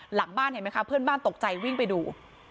หลังบ้านเห็นไหมคะเพื่อนบ้านตกใจวิ่งไปดู